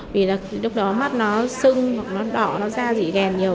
vì lúc đó mắt nó sưng đỏ da dị ghèn nhiều